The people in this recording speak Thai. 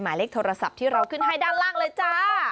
หมายเลขโทรศัพท์ที่เราขึ้นให้ด้านล่างเลยจ้า